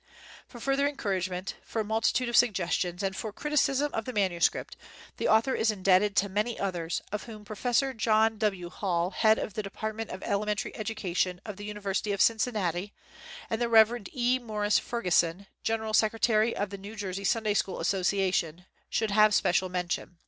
For further encouragement, for a multi tude of suggestions, and for criticism of the manuscript, the author is indebted to many others, of whom Prof. John W. Hall, head of the department of Elementary Education of the University of Cincinnati, and the Rev. E. Morris Fergusson, General Secre tary of the New Jersey Sunday School As sociation, should have special mention.